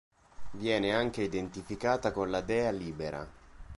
Viene anche identificata con la dea Libera.